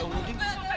ya allah ding